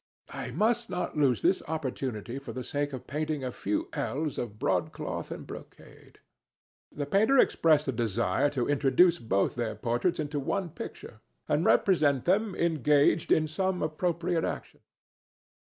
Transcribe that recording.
I must not lose this opportunity for the sake of painting a few ells of broadcloth and brocade." The painter expressed a desire to introduce both their portraits into one picture and represent them engaged in some appropriate action.